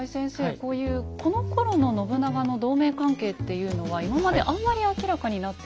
こういうこのころの信長の同盟関係っていうのは今まであんまり明らかになってないんでしょうか。